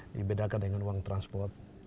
dibedakan dengan uang transport